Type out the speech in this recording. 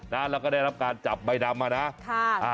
แล้วก็ได้รับการจับใบดำมานะ